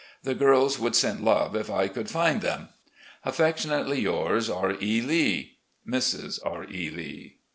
The girls would send love if I could find them. Affectionately yours, "Mrs. R. E. Lee. R. E. Lee."